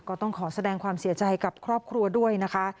ก็ต้องขอแสดงความเสียใจกับครอบครัวด้วยนะคะ